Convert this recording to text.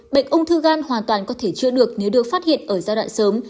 bệnh ung thư gan hoàn toàn có thể chưa được nếu được phát hiện ở giai đoạn sớm